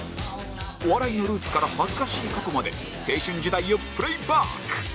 お笑いのルーツから恥ずかしい過去まで青春時代をプレイバック！